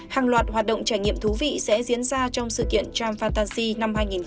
hàng loạt hoạt động trải nghiệm thú vị sẽ diễn ra trong sự kiện tram fantasy năm hai nghìn hai mươi bốn